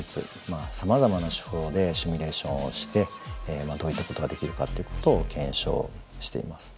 さまざまな手法でシミュレーションをしてどういったことができるかっていうことを検証しています。